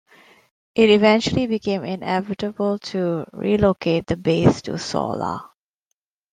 It eventually became inevitable to relocate the base to Sola.